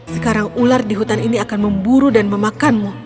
sekarang ular di hutan ini akan memburumu